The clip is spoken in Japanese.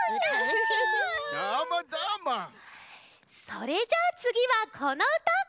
それじゃあつぎはこのうた！